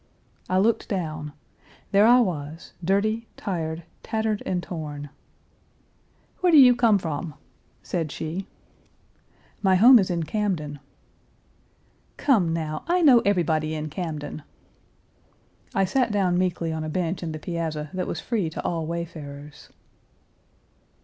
I looked down. There I was, dirty, tired, tattered, and torn. "Where do you come from?" said she. Page 308 "My home is in Camden." "Come, now, I know everybody in Camden." I sat down meekly on a bench in the piazza, that was free to all wayfarers.